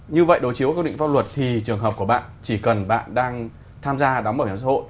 như vậy đối chiếu với quy định pháp luật thì trường hợp của bạn chỉ cần bạn đang tham gia đóng bảo hiểm xã hội